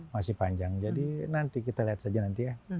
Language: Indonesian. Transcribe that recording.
masih panjang jadi nanti kita lihat saja nanti ya